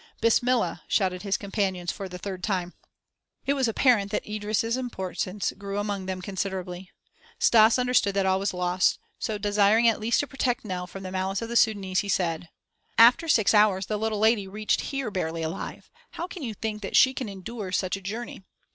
"Bismillah!" shouted his companions for the third tune. It was apparent that Idris' importance grew among them considerably. Stas understood that all was lost; so, desiring at least to protect Nell from the malice of the Sudânese, he said: "After six hours the little lady reached here barely alive. How can you think that she can endure such a journey?